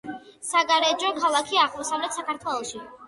საგარეჯო, ქალაქი აღმოსავლეთ საქართველოში.